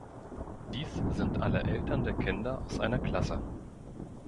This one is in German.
Dies sind alle Eltern der Kinder aus einer Klasse.